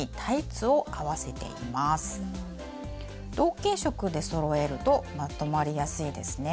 同系色でそろえるとまとまりやすいですね。